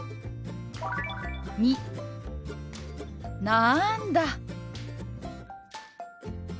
「なんだ」。